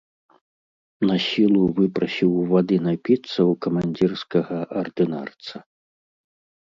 Насілу выпрасіў вады напіцца ў камандзірскага ардынарца.